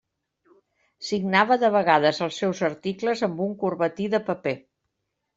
Signava de vegades els seus articles amb un corbatí de paper.